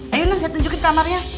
ayo non siap tunjukin kamarnya